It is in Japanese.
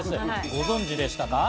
ご存じでしたか？